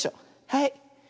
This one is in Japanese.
はい。